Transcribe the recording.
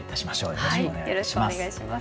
よろしくお願いします。